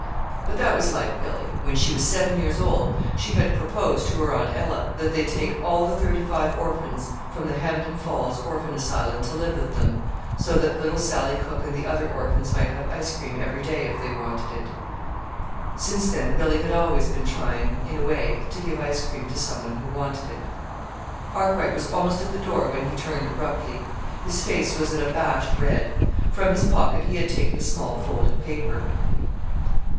But that was like Billy. When she was seven years old she had proposed to her Aunt Ella that they take all the thirty five orphans from the Hampden Falls Orphan Asylum to live with them, so that little Sallie Cook and the other orphans might have ice cream every day, if they wanted it. Since then Billy had always been trying in a way to give ice cream to some one who wanted it. Arkwright was almost at the door when he turned abruptly. His face was an abashed red. From his pocket he had taken a small folded paper.